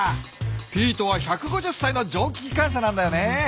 ピートは１５０さいのじょうききかん車なんだよね。